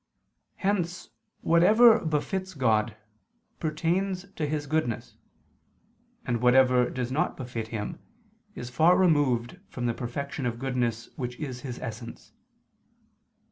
Hence whatever befits God, pertains to His goodness, and whatever does not befit Him, is far removed from the perfection of goodness which is His Essence.